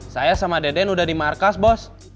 saya sama deden udah di markas bos